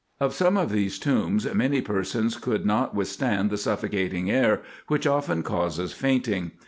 Of some of these tombs many per sons could not withstand the suffocating air, which often causes fainting.